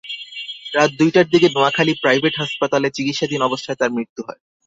রাত দুইটার দিকে নোয়াখালী প্রাইভেট হাসপাতালে চিকিৎসাধীন অবস্থায় তাঁর মৃত্যু হয়।